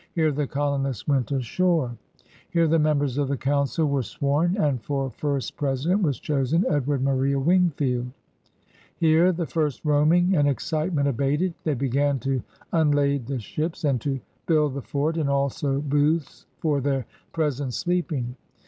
Here the colonists went ashore. Here the members of the Council were «6 PIONEERS OF THE OLD SOUTH sworn, and for first President was chosen Edward Maria Wingfield. Here, the first roaming and ex citement abated, they began to unlade the ships, and to build the fort and also booths for their present sleeping.